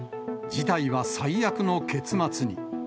事態は最悪の結末に。